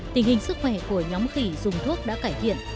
tình hình sức khỏe của nhóm khỉ dùng thuốc đã cải thiện